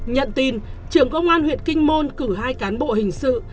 nhận tin trưởng công an huyện kinh môn cử hai cán bộ hình sự